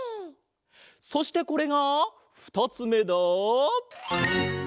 そしてこれがふたつめだ。